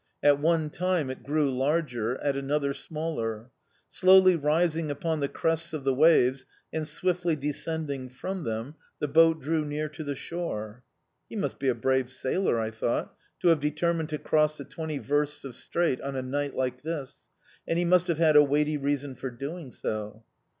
At one time it grew larger, at another smaller. Slowly rising upon the crests of the waves and swiftly descending from them, the boat drew near to the shore. "He must be a brave sailor," I thought, "to have determined to cross the twenty versts of strait on a night like this, and he must have had a weighty reason for doing so."